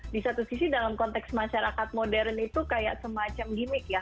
di satu sisi dalam konteks masyarakat modern itu kayak semacam gimmick ya